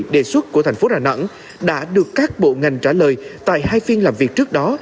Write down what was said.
đề xuất của thành phố đà nẵng đã được các bộ ngành trả lời tại hai phiên làm việc trước đó